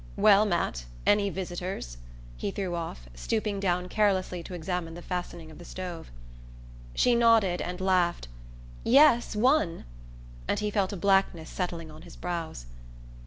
"Well, Matt, any visitors?" he threw off, stooping down carelessly to examine the fastening of the stove. She nodded and laughed "Yes, one," and he felt a blackness settling on his brows.